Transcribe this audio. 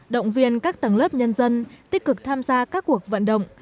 động viên các tầng lớp nhân dân tích cực tham gia các cuộc vận động